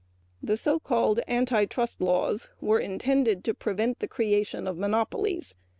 The so called anti trust laws were intended to prevent the creation of monopolies.